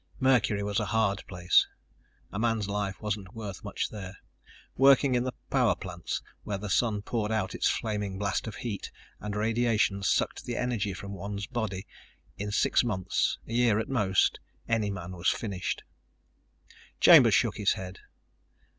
Mercury was a hard place. A man's life wasn't worth much there. Working in the power plants, where the Sun poured out its flaming blast of heat, and radiations sucked the energy from one's body, in six months, a year at most, any man was finished. Chambers shook his head.